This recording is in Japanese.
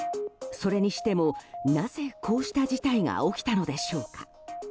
それにしてもなぜ、こうした事態が起きたのでしょうか。